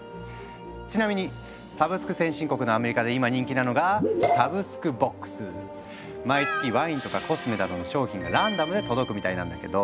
ちなみにサブスク先進国のアメリカで今人気なのが毎月ワインとかコスメなどの商品がランダムで届くみたいなんだけど。